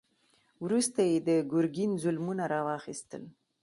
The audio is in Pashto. وروسته یې د ګرګین ظلمونه را واخیستل.